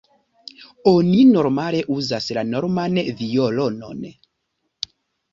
Oni normale uzas la norman violonon.